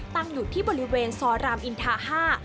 ตั้งอยู่ที่บริเวณซอยรามอินทา๕